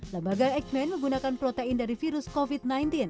lembaga eijkman menggunakan protein dari virus covid sembilan belas